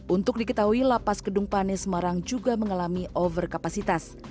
untuk diketahui lapas kedung pane semarang juga mengalami overkapasitas